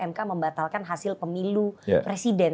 mk membatalkan hasil pemilu presiden